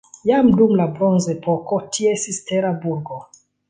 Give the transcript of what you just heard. Jam dum la bronzepoko tie estis tera burgo.